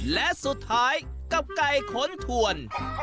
และสุดท้ายกับไก่ขนถวน